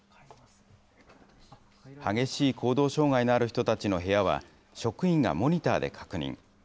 激しい行動障害のある人たちの部屋は職員がモニターで確認。